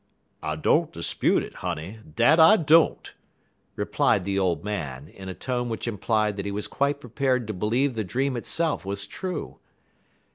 "I don't 'spute it, honey, dat I don't!" replied the old man, in a tone which implied that he was quite prepared to believe the dream itself was true.